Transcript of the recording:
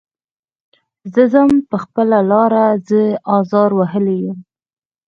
زه ځم په خپله لاره زه ازار وهلی یم.